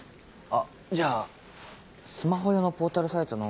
あっじゃあスマホ用のポータルサイトのＯｈ！